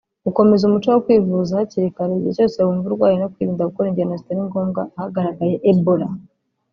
gukomeza umuco wo kwivuza hakiri kare igihe cyose wumva urwaye no kwirinda gukora ingendo zitari ngombwa ahagaragaye Ebola